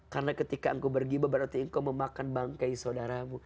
karena ketika engkau bergibah berarti engkau memakan bangkai saudaramu